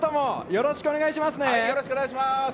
よろしくお願いします。